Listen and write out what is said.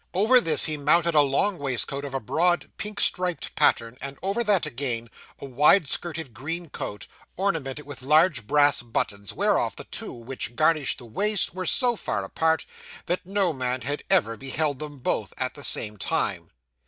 Over this, he mounted a long waistcoat of a broad pink striped pattern, and over that again, a wide skirted green coat, ornamented with large brass buttons, whereof the two which garnished the waist, were so far apart, that no man had ever beheld them both at the same time.